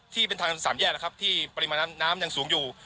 ที่เป็นทางสามแยกนะครับที่ปริมาณน้ำยังสูงอยู่